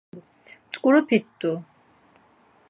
Mtzǩupirt̆u.